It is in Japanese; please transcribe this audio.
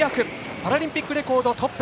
パラリンピックレコード、トップ。